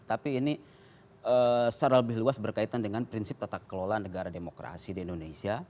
tapi ini secara lebih luas berkaitan dengan prinsip tata kelola negara demokrasi di indonesia